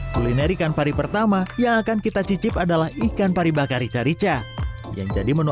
kulineri kanpari pertama yang akan kita cicip adalah ikan pari bakar rica rica yang jadi menu